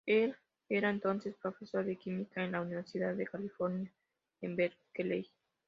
Él era entonces profesor de Química en la Universidad de California en Berkeley.